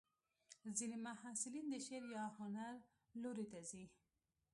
ځینې محصلین د شعر یا هنر لوري ته ځي.